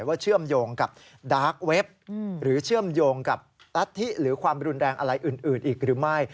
เชื่อมโยงกับดาร์กเว็บหรือเชื่อมโยงกับรัฐธิหรือความรุนแรงอะไรอื่นอีกหรือไม่